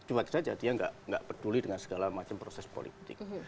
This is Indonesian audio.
cuma saja dia tidak peduli dengan segala macam proses politik